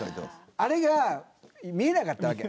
あれが見えなかったわけ。